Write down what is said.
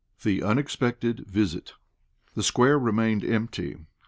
THE UNEXPECTED VISIT. The square remained empty.